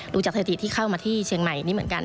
รู้จักเศรษฐีที่เข้ามาที่เชียงใหม่นี่เหมือนกัน